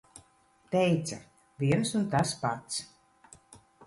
Teica - viens un tas pats.